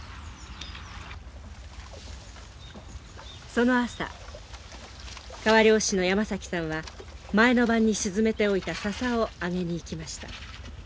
その朝川漁師の山崎さんは前の晩に沈めておいた笹を揚げにいきました。